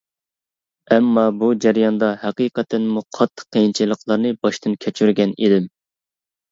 ئەمما بۇ جەرياندا ھەقىقەتەنمۇ قاتتىق قىيىنچىلىقلارنى باشتىن كەچۈرگەن ئىدىم.